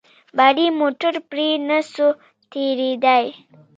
باري موټر پرې نه سو تېرېداى.